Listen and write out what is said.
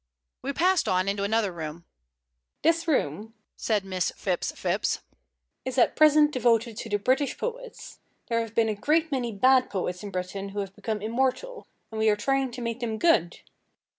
We passed on into another room. [Illustration: "WRITING HERRICK"] "This room," said Miss Phipps Phipps, "is at present devoted to the British poets. There have been a great many bad poets in Britain who have become immortal, and we are trying to make them good.